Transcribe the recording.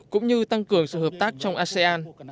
cũng như tăng cường sự hợp tác trong asean